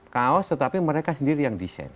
kaos tetapi mereka sendiri yang desain